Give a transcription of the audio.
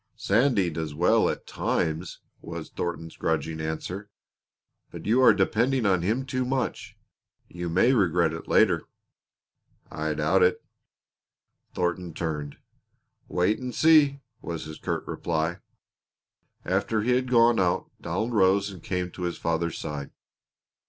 "Sandy does well enough at times," was Thornton's grudging answer, "but you are depending on him too much. You may regret it later." "I doubt it." Thornton turned. "Wait and see," was his curt reply. After he had gone out Donald rose and came to his father's side.